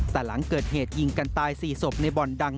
แต่หลังเกิดเหตุยิงกันตาย๔ศพในบ่อนดัง